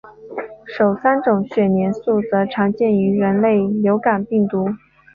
首三种血凝素则常见于人类流感病毒。